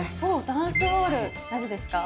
『ダンスホール』なぜですか？